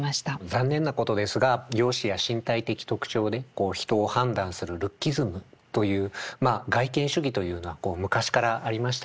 残念なことですが容姿や身体的特徴でこう人を判断するルッキズムというまあ外見主義というのはこう昔からありましたよね。